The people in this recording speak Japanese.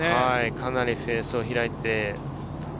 かなりフェースを開いて。